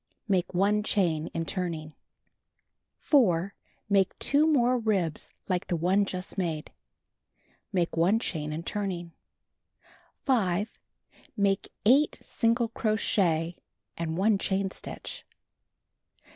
Make 1 chain in turning. 4. Make 2 more ribs like the one just made. ]\lake 1 chain in turning. 5. Make 8 single crochet and 1 chain stitch.